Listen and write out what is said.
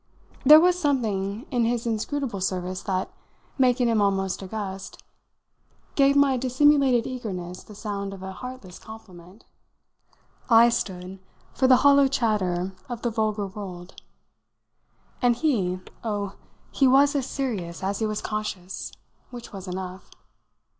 There was something in his inscrutable service that, making him almost august, gave my dissimulated eagerness the sound of a heartless compliment. I stood for the hollow chatter of the vulgar world, and he oh, he was as serious as he was conscious; which was enough.